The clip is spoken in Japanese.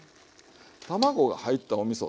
卵が入ったおみそ